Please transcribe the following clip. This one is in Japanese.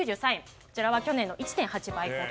こちらは去年の１．８倍ほど。